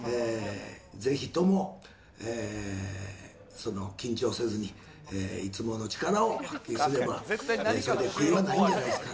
ぜひとも緊張せずに、いつもの力を発揮すれば、それで悔いはないんじゃないですか。